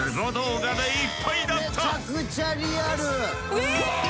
うわ！